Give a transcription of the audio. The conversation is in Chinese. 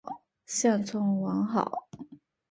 现存完好。